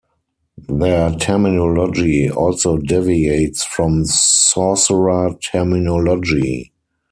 Their terminology also deviates from Sorcerer terminology.